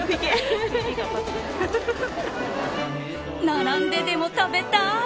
並んででも食べたい！